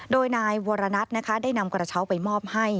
โดยนายวรณัทได้นำกระเช้าไปมอบให้